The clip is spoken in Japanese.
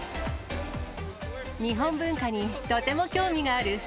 日本文化にとても興味がある。